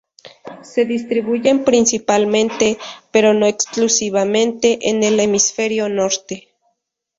Se distribuyen principalmente —pero no exclusivamente— en el Hemisferio Norte.